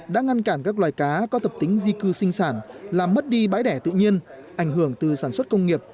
đã ngăn cản các loài cá có tập tính di cư sinh sản làm mất đi bãi đẻ tự nhiên ảnh hưởng từ sản xuất công nghiệp